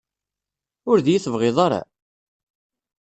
Ur d-iyi-tebɣiḍ ara?